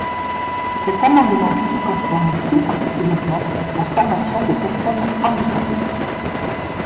Cet amendement-ci concerne plus particulièrement la formation des personnes handicapées.